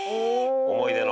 思い出の。